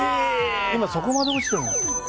今、そこまで落ちてるんです。